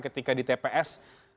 ketika di tps